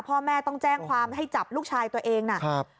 พ่อแม่ต้องแจ้งความให้จับลูกชายตัวเองนะครับ